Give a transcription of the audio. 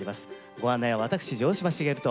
ご案内は私城島茂と。